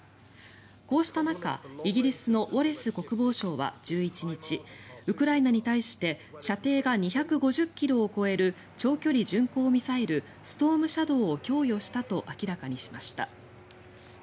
こうした中、イギリスのウォレス国防相は１１日ウクライナに対して射程が２５０ｋｍを超える長距離巡航ミサイルストームシャドーを供与したと明らかにしました。